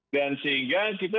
dan sehingga kita